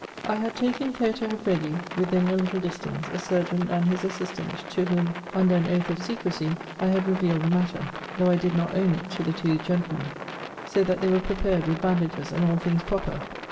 I had taken care to have ready, within a little distance, a surgeon and his assistant, to whom, under an oath of secrecy, I had revealed the matter, (though I did not own it to the two gentlemen;) so that they were prepared with bandages, and all things proper.